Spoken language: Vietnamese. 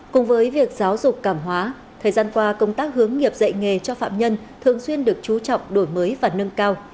cùng với việc giáo dục cảm hóa thời gian qua công tác hướng nghiệp dạy nghề cho phạm nhân thường xuyên được chú trọng đổi mới và nâng cao